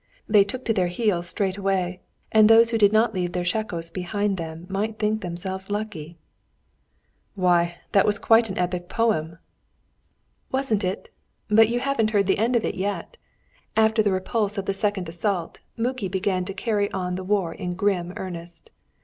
They took to their heels straightway, and those who did not leave their shakos behind them might think themselves lucky." [Footnote 39: County police.] "Why, that was quite an epic poem!" "Wasn't it! But you haven't heard the end of it yet. After the repulse of the second assault, Muki began to carry on the war in grim earnest.